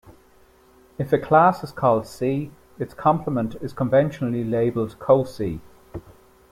If a class is called C, its complement is conventionally labelled co-C.